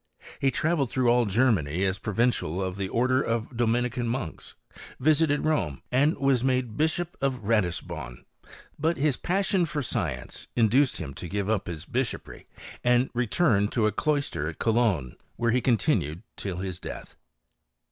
He travelled through all Germany as Provincial of the order of Dominican Mottks, vbited Rome, and was made bishop of Katis bon : but his passion for science induced him to give Iup bis bisliopric, and return to a cloister at Cologne, iRicre he continued till his death.